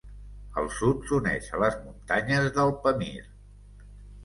Al sud, s'uneix a les muntanyes del Pamir.